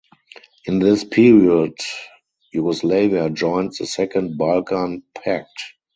In this period Yugoslavia joined the Second Balkan Pact.